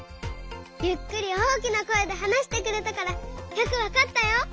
ゆっくり大きなこえではなしてくれたからよくわかったよ。